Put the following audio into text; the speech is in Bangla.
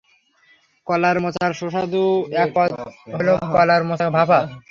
কলার মোচার সুস্বাদু এক পদ হলো কলার মোচা ভাঁপা।